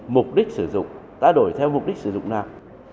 mục đích sử dụng ta đổi theo mục đích sử dụng nào